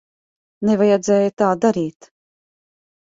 Nevajadzēja tā darīt.